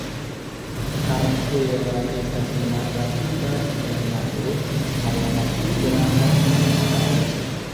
Karakteraj estas la malrapida lernado, kaj la malpli granda memstareco.